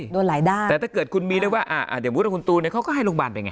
โดนสิแต่ถ้าเกิดคุณมีได้ว่าเดี๋ยวบุตรคุณตูนเขาก็ให้โรงพยาบาลไปไง